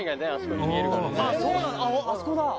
「あそこだ！」